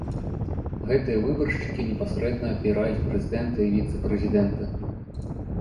Гэтыя выбаршчыкі непасрэдна абіраюць прэзідэнта і віцэ-прэзідэнта.